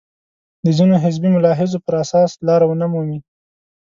د ځینو حزبي ملاحظو پر اساس لاره ونه مومي.